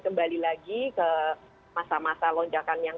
kembali lagi ke masa masa lonjakan yang